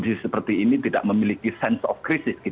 saya berpikirnya itu adalah hal yang harus diperlukan